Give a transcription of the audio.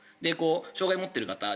障害を持っている方